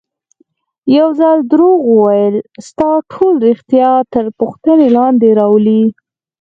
یو ځل دروغ ویل ستا ټول ریښتیا تر پوښتنې لاندې راولي.